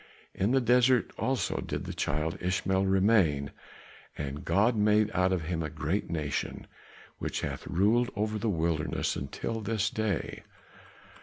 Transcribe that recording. In the desert also did the child Ishmael remain; and God made out of him a great nation which hath ruled over the wilderness until this day.